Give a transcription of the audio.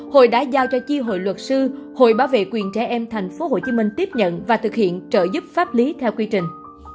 hội đã giao cho chi hội luật sư hội bảo vệ quyền trẻ em tp hcm tiếp nhận và thực hiện trợ giúp pháp lý theo quy trình